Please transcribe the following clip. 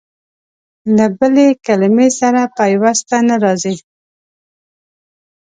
له بلې کلمې سره پيوسته نه راځي.